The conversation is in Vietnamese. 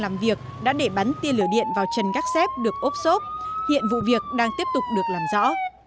làm việc đã để bắn tê lửa điện vào trần gác xếp được ốp xốp hiện vụ việc đang tiếp tục được làm rõ